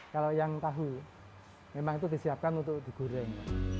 kalau yang tahu memang itu disiapkan untuk digoreng